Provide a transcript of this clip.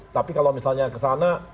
tapi kalau misalnya kesana